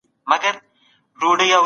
سم نیت هدف نه دروي.